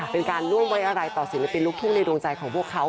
เป็นการร่วมไว้อะไรต่อศิลปินลูกทุ่งในดวงใจของพวกเขา